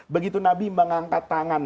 begitu nabi mengangkat tangan